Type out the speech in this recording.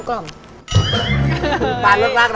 อีกคำหนึ่ง